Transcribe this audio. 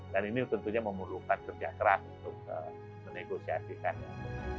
dan ini tentunya memerlukan kerja keras untuk menegosiasikannya